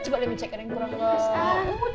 coba liat lihat yang berangkat